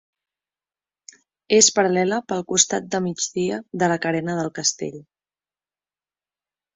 És paral·lela pel costat de migdia de la Carena del Castell.